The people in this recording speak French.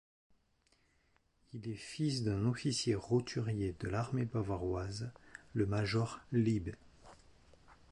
Il est fils d'un officier roturier de l'armée bavaroise, le major Leeb.